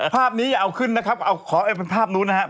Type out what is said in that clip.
ภาพนี้อย่าเอาขึ้นนะครับเอาขอเป็นภาพนู้นนะครับ